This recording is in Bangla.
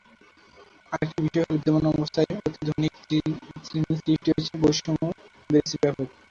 আরেকটি বিষয় হলো, বিদ্যমান ব্যবস্থায় অতি ধনিক শ্রেণি সৃষ্টি হয়েছে, বৈষম্য বেড়েছে ব্যাপক।